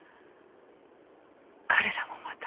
彼らもまた。